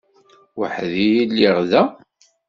Weḥd-i i lliɣ da?